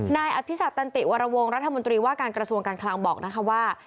นายอภิษักตันติวรวงรัฐมนตรีว่าการกระทรวงการคลังบอกนะคะว่า